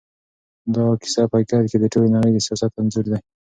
دا کيسه په حقیقت کې د ټولې نړۍ د سياست انځور دی.